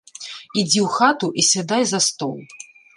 Ідзі ў хату і сядай за стол.